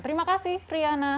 terima kasih riana